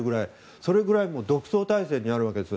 それぐらい独走態勢になるわけです。